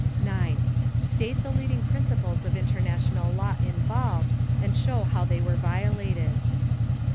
State the leading principles of international law involved and show how they were violated.